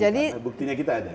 karena buktinya kita ada